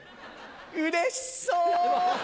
うれしそう！